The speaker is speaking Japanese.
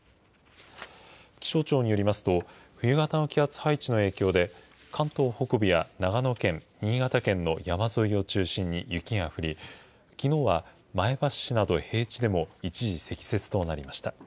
気象庁によりますと、冬型の気圧配置の影響で、関東北部や長野県、新潟県の山沿いを中心に雪が降り、きのうは前橋市など平地でも一時、積雪となりました。